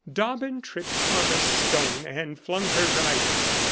Dobbin tripped on a stone and flung her rider.